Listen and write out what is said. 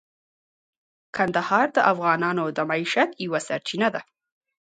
کندهار د افغانانو د معیشت یوه سرچینه ده.